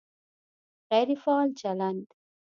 غیر فعال چلند